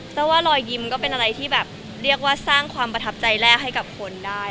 เจ้าว่ารอยยิ้มก็เป็นอะไรที่แบบเรียกว่าสร้างความประทับใจแรกให้กับคนได้